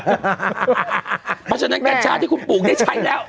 เพราะฉะนั้นกัญชาที่คุณปลูกได้ใช้แล้ว